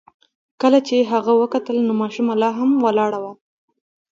کله چې هغه وکتل نو ماشومه لا هم ولاړه وه.